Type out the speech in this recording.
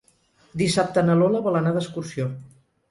Dissabte na Lola vol anar d'excursió.